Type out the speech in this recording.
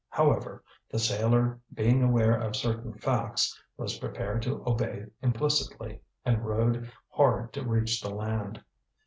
However, the sailor being aware of certain facts, was prepared to obey implicitly, and rowed hard to reach the land.